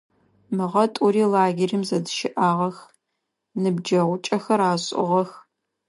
Мыгъэ тӏури лагерым зэдыщыӏагъэх, ныбджэгъукӏэхэр ашӏыгъэх.